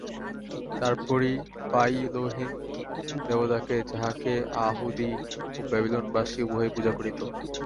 তারপর পাই ইলোহিম দেবতাকে, যাঁহাকে য়াহুদী ও ব্যাবিলনবাসী উভয়েই পূজা করিত।